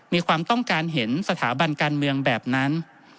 มีความต้องการเห็นสถาบันการเมืองแบบนั้น